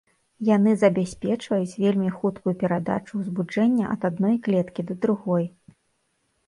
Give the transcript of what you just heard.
Яны забяспечваюць вельмі хуткую перадачу ўзбуджэння ад адной клеткі да другой.